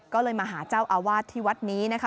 ก็เลยมาหาเจ้าอาวาสที่วัดนี้นะคะ